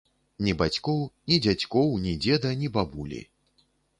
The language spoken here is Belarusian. Ні бацькоў, ні дзядзькоў, ні дзеда, ні бабулі.